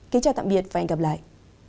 kính chào tạm biệt và hẹn gặp lại